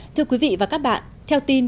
thưa quý vị và các bạn